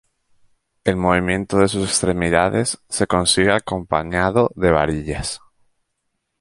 El movimiento de sus extremidades se consigue acompañado de varillas.